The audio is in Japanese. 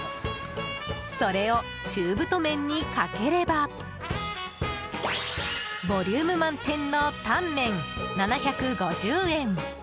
それを中太麺にかければボリューム満点のタン麺７５０円。